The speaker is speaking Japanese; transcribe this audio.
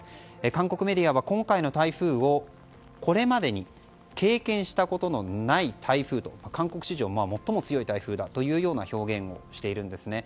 韓国メディアは今回の台風をこれまでに経験したことのない台風と韓国史上最も強い台風だという表現をしているんですね。